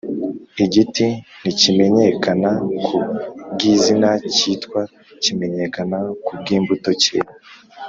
Igiti ntikimenyekana ku bw’izina kitwa ,kimenyekana ku bw’imbuto cyera